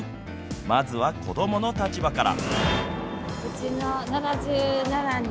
まずは子どもの立場から。